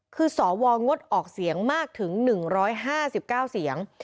คือสวงดออกเสียงมากถึง๑๕๙เสียง